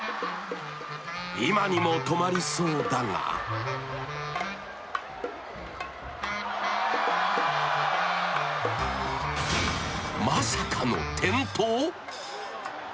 今にも止まりそうだがまさかの転倒！？